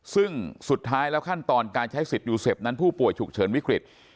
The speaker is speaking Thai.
ซึ่งสุดท้ายแล้วขั้นตอนการใช้สิทธิยูเซฟนั้นผู้ป่วยฉุกเฉินวิกฤต